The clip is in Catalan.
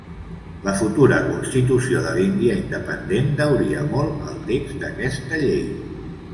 La futura Constitució de l'Índia independent deuria molt al text d'aquesta llei.